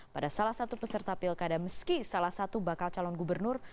pada salah satu peserta pilkada meski salah satu bakal calon gubernur